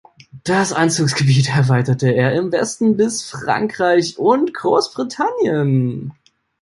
Das Einzugsgebiet erweiterte er im Westen bis Frankreich und Großbritannien.